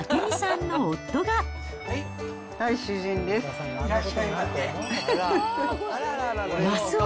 はい、いらっしゃいませ。